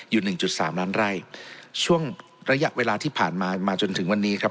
อยู่หนึ่งจุดสามล้านไร่ช่วงระยะเวลาที่ผ่านมามาจนถึงวันนี้ครับ